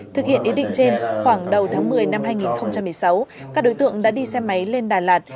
thực hiện ý định trên khoảng đầu tháng một mươi năm hai nghìn một mươi sáu các đối tượng đã đi xe máy lên đà lạt